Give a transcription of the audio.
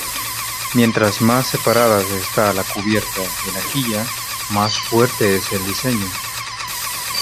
Mientras más separadas está la cubierta de la quilla, más fuerte es el diseño.